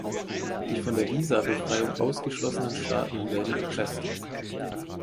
Die von der Visabefreiung ausgeschlossenen Staaten werden erpresst.